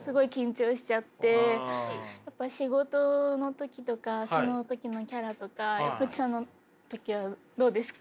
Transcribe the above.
仕事の時とかその時のキャラとかロッチさんの時はどうですか？